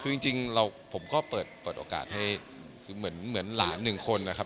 คือจริงผมก็เปิดโอกาสให้คือเหมือนหลานหนึ่งคนนะครับ